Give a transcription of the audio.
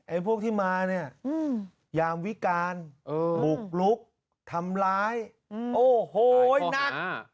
ไอ้พวกที่มาเนี้ยอืมยามวิการเออบุกลุกทำร้ายอืมโอ้โหนัก